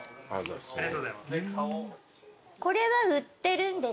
ありがとうございます。